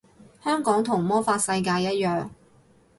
香港同魔法世界一樣